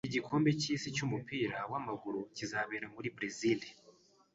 Igikombe cyisi cyumupira wamaguru kizabera muri Berezile